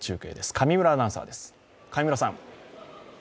上村アナウンサーです。